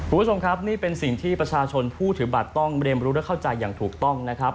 คุณผู้ชมครับนี่เป็นสิ่งที่ประชาชนผู้ถือบัตรต้องเรียนรู้และเข้าใจอย่างถูกต้องนะครับ